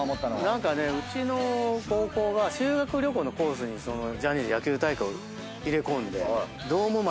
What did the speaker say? うちの高校が修学旅行のコースにジャニーズ野球大会を入れ込んでドームまで来たいうて。